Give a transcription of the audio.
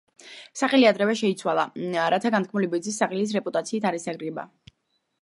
სახელი ადრევე შეიცვალა, რათა განთქმული ბიძის სახელის რეპუტაციით არ ესარგებლა.